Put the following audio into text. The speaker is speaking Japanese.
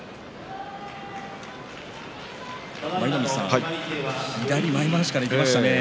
舞の海さん、左前まわしからいきましたね。